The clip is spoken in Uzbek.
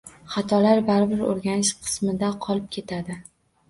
Xatolar baribir o’rganish qismida qolib ketadi.